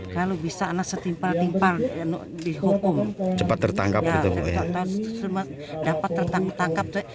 kalau bisa anak setimpal timpal yang dihukum cepat tertangkap ketemu ya dapat tertangkap